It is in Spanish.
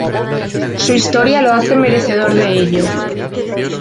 Su historia lo hace merecedor de ello.